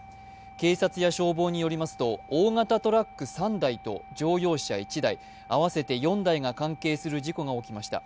警察や消防によりますと大型トラック３台と乗用車１台、合わせて４台が関係する事故が起きました。